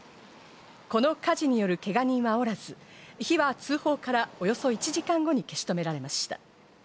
この火事によるけが人はおらず、火は通報からおよそ１時間後に消し止められました。